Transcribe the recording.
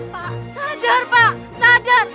pak sadar pak sadar